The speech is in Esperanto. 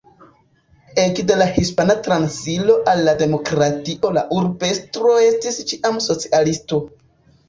Ekde la Hispana Transiro al la Demokratio la urbestro estis ĉiam socialisto.